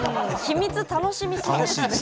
秘密楽しみすぎですね。